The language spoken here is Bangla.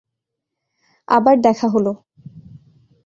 আবার দেখা হলো।